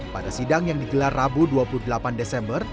pada sidang yang digelar rabu dua puluh delapan desember